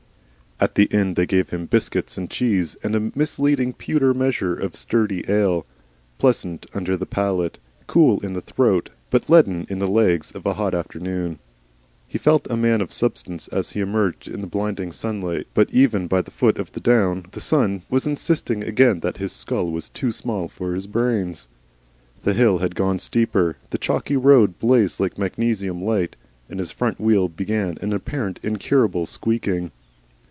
At the inn they gave him biscuits and cheese and a misleading pewter measure of sturdy ale, pleasant under the palate, cool in the throat, but leaden in the legs, of a hot afternoon. He felt a man of substance as he emerged in the blinding sunshine, but even by the foot of the down the sun was insisting again that his skull was too small for his brains. The hill had gone steeper, the chalky road blazed like a magnesium light, and his front wheel began an apparently incurable squeaking.